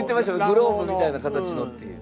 グローブみたいな形のっていう。